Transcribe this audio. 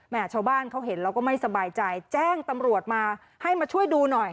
ชาวบ้านเขาเห็นแล้วก็ไม่สบายใจแจ้งตำรวจมาให้มาช่วยดูหน่อย